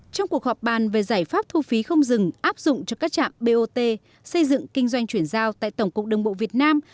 trong cuộc họp bàn về giải pháp thu phí không dừng áp dụng cho các trạm bot xây dựng kinh doanh chuyển giao tại tổng cục đường bộ việt nam